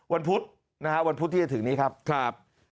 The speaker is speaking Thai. พุธนะฮะวันพุธที่จะถึงนี้ครับ